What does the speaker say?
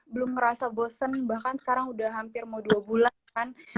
belum ngerasa bosen bahkan sekarang udah hampir mau dua bulan kan